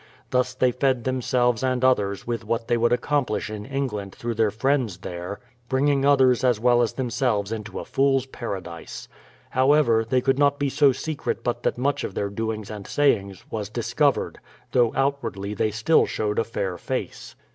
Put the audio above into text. Thus they fed themselves and others with what they would accomplish in England through their friends there, bringing others as well as themselves into a fool's paradise. However, they could not be so secret but that much of their doings and sayings was discovered; though outwardly they still showed a fair face.